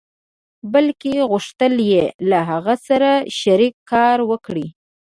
بلکې غوښتل يې له هغه سره شريک کار وکړي.